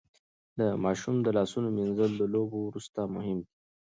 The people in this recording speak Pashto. د ماشوم د لاسونو مينځل د لوبو وروسته مهم دي.